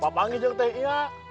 papangnya jeng teh iya